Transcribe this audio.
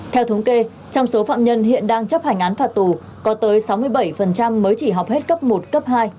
theo thống kê trong số phạm nhân hiện đang chấp hành án phạt tù có tới sáu mươi bảy mới chỉ học hết cấp một cấp hai